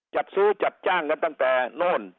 จัดซื้อจัดจ้างกันตั้งแต่โน่น